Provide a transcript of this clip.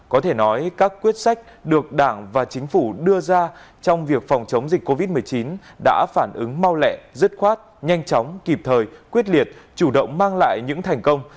có thể nói các quyết sách được đảng và chính phủ đưa ra trong việc phòng chống dịch covid một mươi chín đã phản ứng mau lẹ dứt khoát nhanh chóng kịp thời quyết liệt chủ động mang lại những thành công